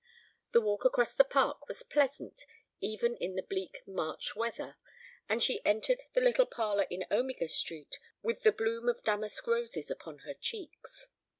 The walk across the Park was pleasant even in the bleak March weather, and she entered the little parlour in Omega Street with the bloom of damask roses upon her cheeks.